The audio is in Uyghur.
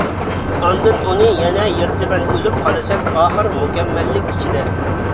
ئاندىن ئۇنى يەنە يىرتىمەن ئۆلۈپ قالىسەن ئاخىر مۇكەممەللىك ئىچىدە.